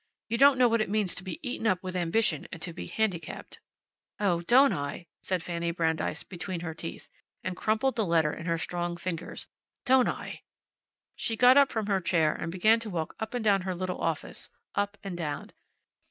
You don't know what it means to be eaten up with ambition and to be handicapped." "Oh, don't I!" said Fanny Brandeis, between her teeth, and crumpled the letter in her strong fingers. "Don't I!" She got up from her chair and began to walk up and down her little office, up and down.